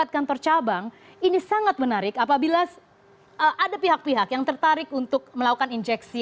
empat ratus tujuh puluh empat kantor cabang ini sangat menarik apabila ada pihak pihak yang tertarik untuk melakukan injeksi